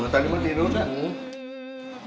tadi emang tidur enggak